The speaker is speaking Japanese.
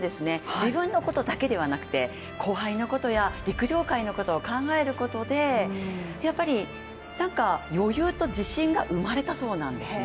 自分のことだけではなくて後輩のことや陸上界のことを考えることで、なんか余裕と自信が生まれたそうなんですね。